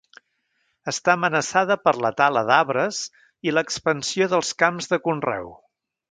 Està amenaçada per la tala d'arbres i l'expansió dels camps de conreu.